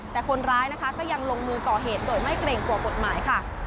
แต่คนร้ายก็ยังลงมือก่อเหตุโดยไม่เกร่งกว่ากฎหมาย